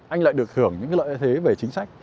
anh lại được hưởng những cái lợi thế về chính sách